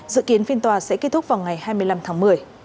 dự kiến phiên tòa sẽ kết thúc vào ngày hai mươi năm tháng một mươi